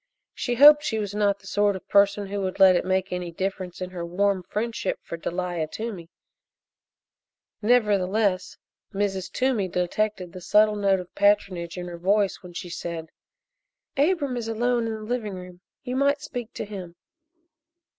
She hoped she was not the sort of person who would let it make any difference in her warm friendship for Delia Toomey; nevertheless, Mrs. Toomey detected the subtle note of patronage in her voice when she said: "Abram is alone in the living room you might speak to him."